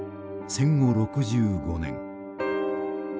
戦後６５年。